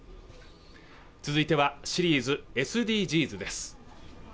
続いてはシリーズ「ＳＤＧｓ」です